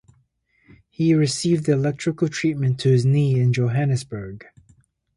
He received electrical treatment to his knee in Johannesburg.